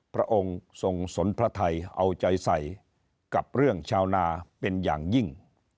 พระองค์ทรงสนพระไทยเอาใจใส่กับเรื่องชาวนาเป็นอย่างยิ่ง